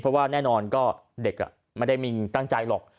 เพราะว่าแน่นอนก็เด็กไม่ได้มีตั้งใจหรอก